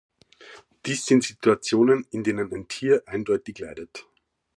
Dies sind Situationen, in denen ein Tier eindeutig leidet.